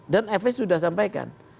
dan fs sudah sampaikan